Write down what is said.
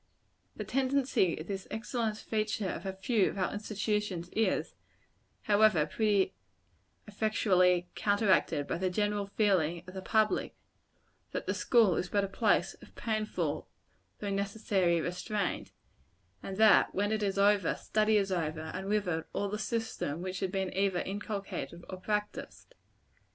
The tendency of this excellent feature of a few of our institutions is, however, pretty effectually counteracted by the general feeling of the public, that the school is but a place of painful though necessary restraint; and that when it is over, study is over and with it, all the system which had been either inculcated or practised.